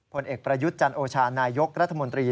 ผลเอกประยุทธ์จันโอชานายกรัฐมนตรี